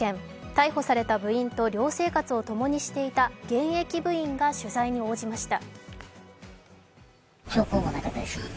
逮捕された部員と寮生活を共にしていた現役部員が取材に応じました。